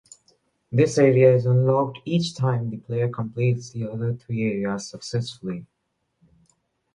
This area is unlocked each time the player completes the other three areas successfully.